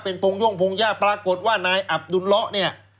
เป็นพงย่งพงหญ้าปรากฏว่านายอับดุลเลาะเนี่ย